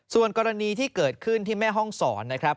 ส่วนกรณีที่เกิดขึ้นที่แม่ห้องศรนะครับ